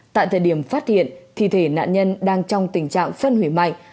tại thời điểm phát hiện thi thể nạn nhân đang trong tình trạng phân hủy mạnh